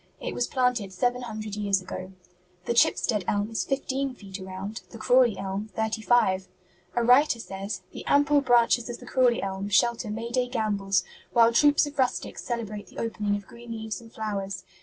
It was planted seven hundred years ago. The Chipstead Elm is fifteen feet around; the Crawley Elm, thirty five. A writer says, 'The ample branches of the Crawley Elm shelter Mayday gambols while troops of rustics celebrate the opening of green leaves and flowers.